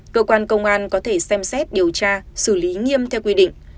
cơ quan công an có thể xem xét điều tra xử lý nghiêm theo quy định